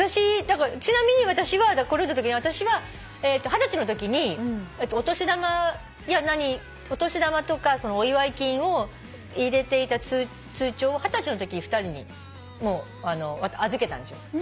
ちなみに私はこれ読んだときに私は二十歳のときにお年玉とかお祝い金を入れていた通帳を二十歳のときに２人に預けたんですよ。